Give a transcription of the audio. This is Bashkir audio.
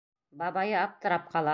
Бабайы аптырап ҡала: